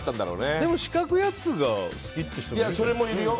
でも、四角いやつが好きっていう人もいるよね。